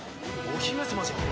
お姫様じゃん。